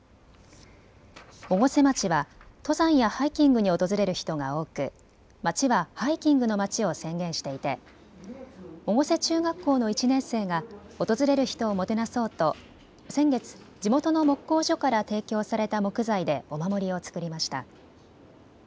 越生町は登山やハイキングに訪れる人が多く、町はハイキングのまちを宣言していて越生中学校の１年生が訪れる人をもてなそうと先月、地元の木工所から提供された木材でお守りを作りました。